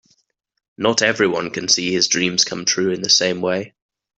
Not everyone can see his dreams come true in the same way.